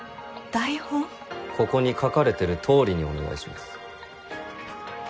ここに書かれてる通りにお願いします